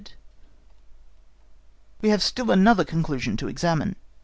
—EDITOR We have still another conclusion to examine.